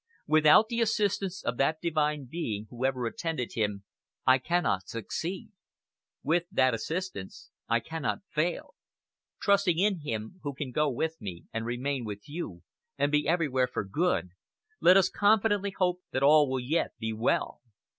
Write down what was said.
Without the assistance of that Divine Being who ever attended him, I cannot succeed. With that assistance I cannot fail. Trusting in Him who can go with me, and remain with you, and be everywhere for good, let us confidently hope that all will yet be well.